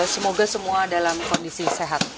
semoga semua dalam kondisi sehat